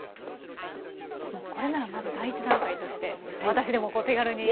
これならまず第一段階として私でもこう手軽に。